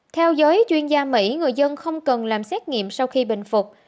theo giới chuyên gia mỹ người dân không cần làm xét nghiệm sau khi bình phục